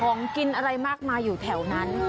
ของกินอะไรมากมายอยู่แถวนั้น